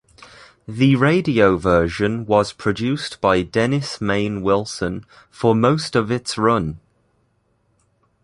The radio version was produced by Dennis Main Wilson for most of its run.